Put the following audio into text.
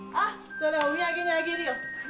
それおみやげにあげるよ。